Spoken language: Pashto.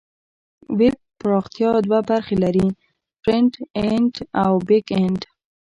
ویب پراختیا دوه برخې لري: فرنټ اینډ او بیک اینډ.